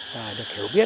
và được hiểu mọi thứ